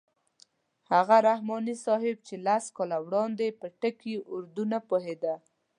هماغه رحماني صاحب چې لس کاله وړاندې په ټکي اردو نه پوهېده.